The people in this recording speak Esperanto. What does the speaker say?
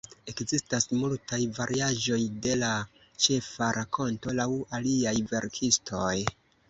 Ekzistas multaj variaĵoj de la ĉefa rakonto laŭ aliaj verkistoj.